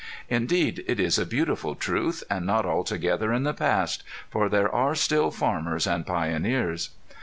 Indeed it is a beautiful truth, and not altogether in the past, for there are still farmers and pioneers.